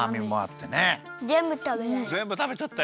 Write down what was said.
ぜんぶたべちゃった！